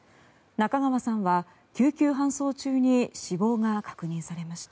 中川さんは救急搬送中に死亡が確認されました。